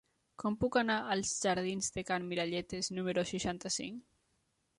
Com puc anar als jardins de Can Miralletes número seixanta-cinc?